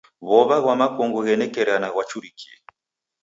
W'ow'a ghwa makongo ghenekeriana ghwachurikie.